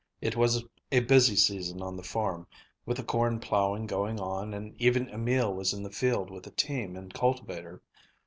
It was a busy season on the farm, with the corn plowing going on, and even Emil was in the field with a team and cultivator.